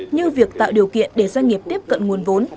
như việc tạo điều kiện để doanh nghiệp tiếp cận nguồn vốn